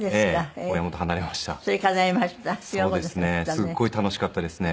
すごい楽しかったですね。